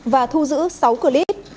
và thu giữ sáu clip